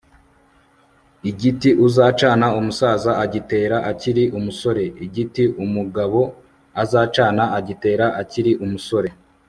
igiti uzacana umusaza agitera akiri umusore (igiti umugabo azacana agitera akiri umusore)